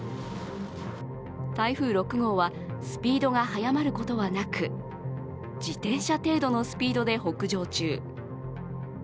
台風６号はスピードが速まることはなく、自転車程度のスピードで北上中。